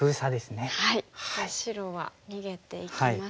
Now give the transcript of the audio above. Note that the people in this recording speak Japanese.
白は逃げていきます。